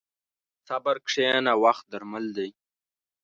په صبر کښېنه، وخت درمل دی.